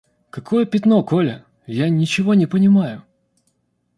Какое пятно, Коля? Я ничего не понимаю.